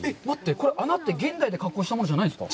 これ穴って、現代で加工したものじゃないんですか？